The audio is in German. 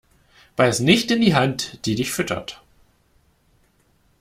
Beiß nicht in die Hand, die dich füttert.